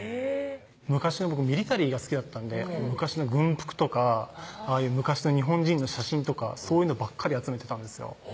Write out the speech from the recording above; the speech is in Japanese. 昔僕ミリタリーが好きだったんで昔の軍服とかああいう昔の日本人の写真とかそういうのばっかり集めてたんですよ